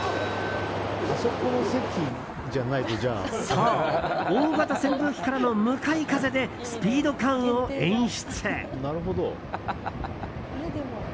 そう、大型扇風機からの向かい風でスピード感を演出！